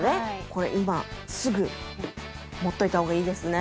これ今すぐ持っといた方がいいですね。